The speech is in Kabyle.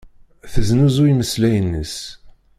Teznuzu imeslayen-is.